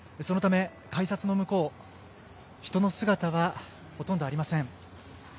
そのため改札の向こう、人の姿はほとんどありません。